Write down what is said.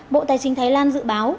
bộ tài trình thái lan dự báo